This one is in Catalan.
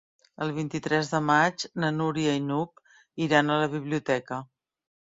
El vint-i-tres de maig na Núria i n'Hug iran a la biblioteca.